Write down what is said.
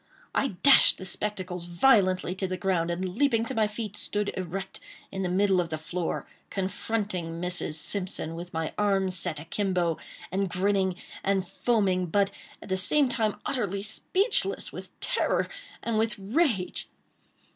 I dashed the spectacles violently to the ground, and, leaping to my feet, stood erect in the middle of the floor, confronting Mrs. Simpson, with my arms set a kimbo, and grinning and foaming, but, at the same time, utterly speechless with terror and with rage.